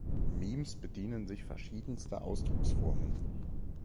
Memes bedienen sich verschiedenster Ausdrucksformen.